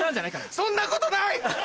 そんなことない！